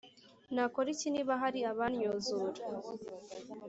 Nakora iki niba hari abannyuzura